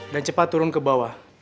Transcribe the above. dan cepat turun ke bawah